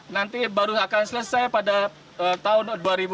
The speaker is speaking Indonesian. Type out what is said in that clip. nanti baru akan selesai pada tahun dua ribu dua puluh